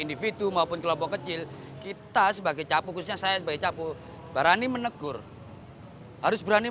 individu maupun kelompok kecil kita sebagai capu khususnya saya sebagai capu berani menegur harus berani